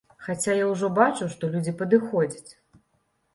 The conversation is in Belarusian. Хаця я ўжо бачу, што людзі падыходзяць.